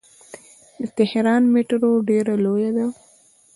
د تهران میټرو ډیره لویه ده.